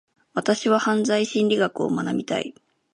私は犯罪心理学を学びたい。